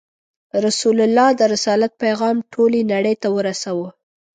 رسول الله د رسالت پیغام ټولې نړۍ ته ورساوه.